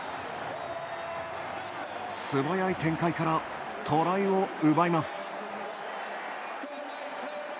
素早い展開からトライを奪います。